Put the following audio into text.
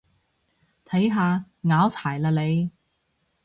睇下，拗柴喇你